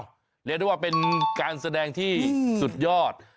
เรียกได้ว่าเป็นการแสดงที่สุดยอด